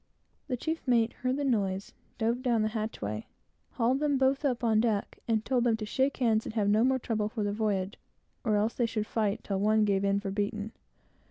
The chief mate heard the noise, dove down the hatchway, hauled them both up on deck, and told them to shake hands and have no more trouble for the voyage, or else they should fight till one gave in for beaten.